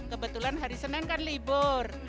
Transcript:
kebetulan hari senin kan libur